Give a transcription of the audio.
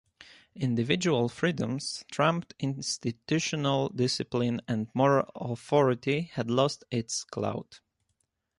Individual freedoms trumped institutional discipline and moral authority had lost its clout.